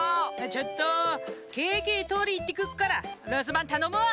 ちょっとケーキとりいってくっからるすばんたのむわ。